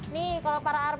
nih kalau para arang